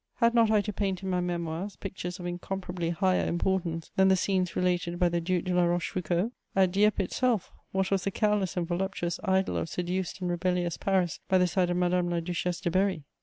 Had not I to paint in my Memoirs pictures of incomparably higher importance than the scenes related by the Duc de La Rochefoucauld? At Dieppe itself, what was the careless and voluptuous idol of seduced and rebellious Paris by the side of Madame la Duchesse de Berry?